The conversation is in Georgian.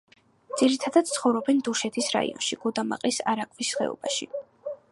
ძირითადად ცხოვრობენ დუშეთის რაიონში, გუდამაყრის არაგვის ხეობაში.